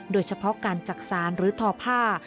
โดยเฉพาะการจักษานหรือทอผ้า